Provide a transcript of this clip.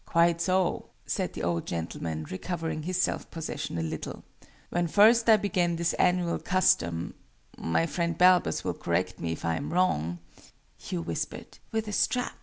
"Quite so," said the old gentleman, recovering his self possession a little: "when first I began this annual custom my friend Balbus will correct me if I am wrong " (Hugh whispered "with a strap!"